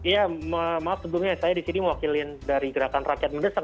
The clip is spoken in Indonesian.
ya maaf sebelumnya saya di sini mewakilkan dari gerakan rakyat mendesat